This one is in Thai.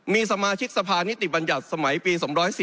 มีสมาชิกสภานิติบัญญัติสมัยปี๒๔๔